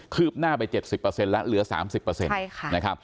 คืบหน้าไปเจ็บสิบเปอร์เซ็นต์และเหลือสามสิบเปอร์เซ็นต์ใช่ค่ะนะครับ